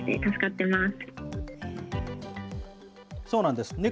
そうなんです。